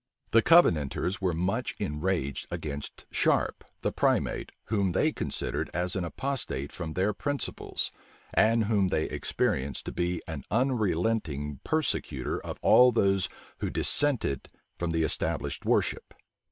The Covenanters were much enraged against Sharpe, the primate, whom they considered as an apostate from their principles, and whom they experienced to be an unrelenting persecutor of all those who dissented from the established worship.